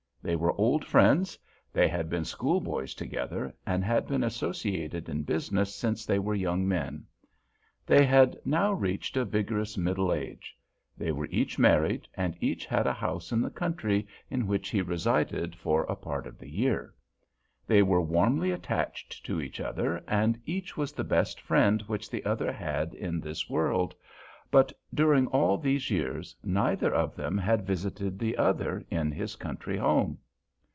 They were old friends; they had been schoolboys together and had been associated in business since they were young men. They had now reached a vigorous middle age; they were each married, and each had a house in the country in which he resided for a part of the year. They were warmly attached to each other, and each was the best friend which the other had in this world. But during all these years neither of them had visited the other in his country home.